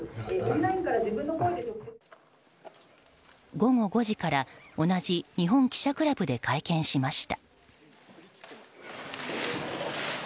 午後５時から同じ日本記者クラブで会見しました。